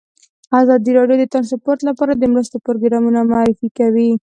ازادي راډیو د ترانسپورټ لپاره د مرستو پروګرامونه معرفي کړي.